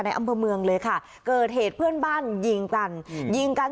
อำเภอเมืองเลยค่ะเกิดเหตุเพื่อนบ้านยิงกันยิงกัน